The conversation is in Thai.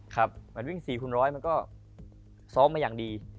ครับมันวิ่ง๔คูณร้อยมันก็ซ้อมมาอย่างดี